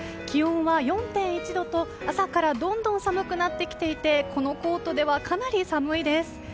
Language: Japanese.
気温は４．１度と朝からどんどん寒くなってきていてこのコートではかなり寒いです。